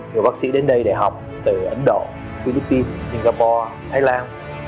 rồi bác sĩ đến đây để học từ ấn độ philippines singapore thái lan